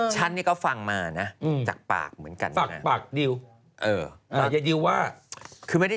ชั้นเนี่ยก็ฟังมาจากปากเหมือนกัน